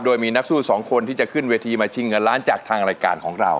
โดยมีนักสู้สองคนที่จะขึ้นเวทีมาชิงเงินล้านจากทางรายการของเรา